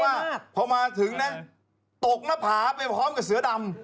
ว่าพอมาถึงนะตกหน้าผาไปพร้อมกับเสือดำ